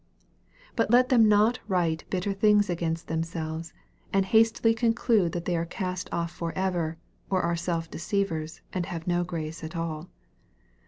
But let them not write bitter things against themselves, and hastily con clude that they are cast off for ever, or are self deceivers, and have no grace at all.